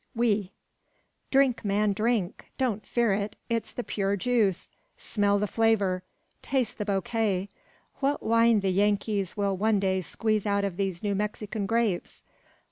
Oui." "Drink, man, drink! Don't fear it: it's the pure juice. Smell the flavour; taste the bouquet. What wine the Yankees will one day squeeze out of these New Mexican grapes!"